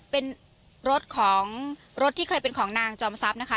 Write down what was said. เป็นรถที่เคยเป็นของนางจอมซัพนะคะ